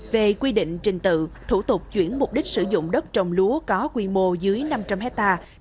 về quy định trình tự thủ tục chuyển mục đích sử dụng đất trồng lúa có quy mô dưới năm trăm linh hectare